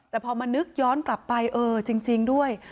แต่พอมานึกย้อนกลับไปเออจริงด้วย